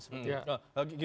dua duanya ini juga penting